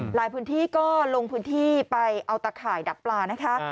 หลายพื้นที่ก็ลงพื้นที่ไปเอาตะข่ายดักปลานะคะ